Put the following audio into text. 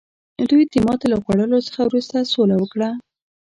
دوی د ماتې له خوړلو څخه وروسته سوله وکړه.